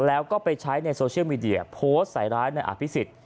แล้วก็ไปใช้ในโซเชียลมีเดียโพสต์ใส่ร้ายในอภิษฎ